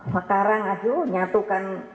sekarang ajuh nyatukan